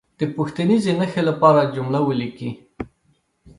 د پوښتنیزې نښې لپاره جمله ولیکي.